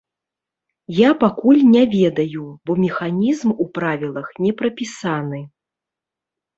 Я пакуль не ведаю, бо механізм у правілах не прапісаны.